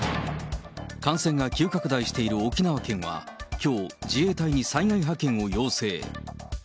感染が急拡大している沖縄県は、きょう、自衛隊に災害派遣を要請。